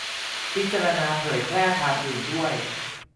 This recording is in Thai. - พิจารณาเผยแพร่ทางอื่นด้วย